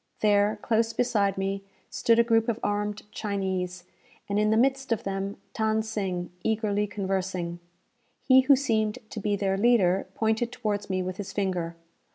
There, close beside me, stood a group of armed Chinese, and, in the midst of them, Than Sing, eagerly conversing. He who seemed to be their leader, pointed towards me with his finger.